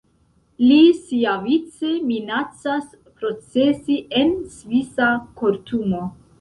Li siavice minacas procesi en svisa kortumo.